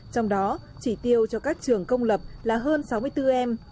trong đó chỉ tiêu cho các trường công lập là hơn sáu mươi bốn em